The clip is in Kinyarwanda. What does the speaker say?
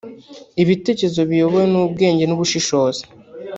Ibitekerezo biyobowe n’ ubwenge n’ubushishozi